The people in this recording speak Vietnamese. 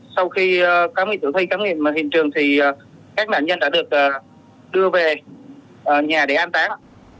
sau khi các nạn nhân đã được đưa về nhà để an tán